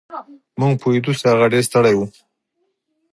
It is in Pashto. مونږ پوهېدو چې هغه ډېر ستړی و.